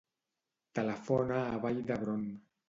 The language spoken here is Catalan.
Telefona a Vall d'Hebron.